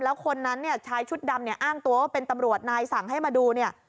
แล้วคนนั้นเนี่ยชายชุดดำเนี่ยอ้างตัวว่าเป็นตำรวจนายสั่งให้มาดูเนี่ย